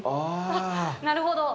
なるほど。